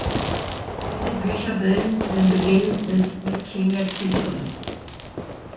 Diese Bücher bilden den Beginn des Midkemia-Zyklus.